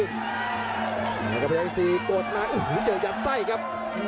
แล้วก็พยายามที่สี่กดมาอุ้ยเจอกับไส้ครับ